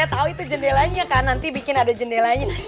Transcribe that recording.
saya tahu itu jendelanya kan nanti bikin ada jendelanya